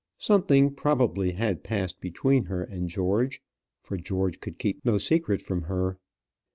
Something probably had passed between her and George; for George could keep no secret from her.